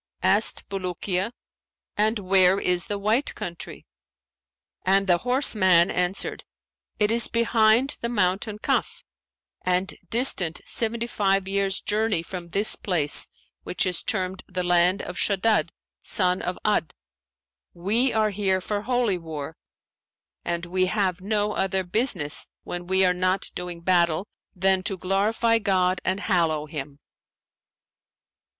Asked Bulukiya, 'And where is the White Country?' and the horseman answered, 'It is behind the mountain Kaf, and distant seventy five years journey from this place which is termed the Land of Shaddαd son of 'Αd: we are here for Holy War; and we have no other business, when we are not doing battle, than to glorify God and hallow him.